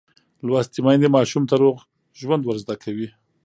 لوستې میندې ماشوم ته روغ ژوند ورزده کوي.